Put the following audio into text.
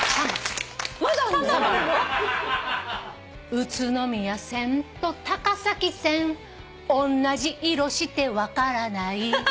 「宇都宮線と高崎線おんなじ色して分からない」